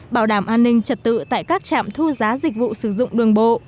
bảo đảm an ninh trật tự tại các trạm thu giá dịch vụ sử dụng đường bộ